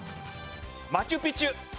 マチュピチュ。